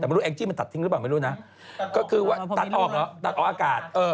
แต่ไม่รู้แองจี้มันตัดทิ้งหรือเปล่าไม่รู้นะก็คือว่าตัดออกเหรอตัดออกอากาศ